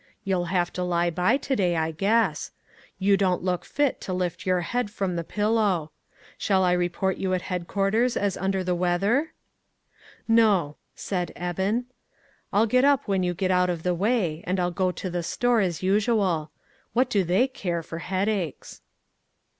You'll have to lie by to day, I guess. You don't look fit to lift your head from the pillow. Shall I report you at head quarters as under the weather?" "No," said Eben, "I'll get up when you get out of the way, and I'll go to the store as usual. What do they care for headaches ?" A VICTIM OF CIRCUMSTANCE.